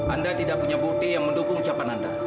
anda tidak punya bukti yang mendukung ucapan anda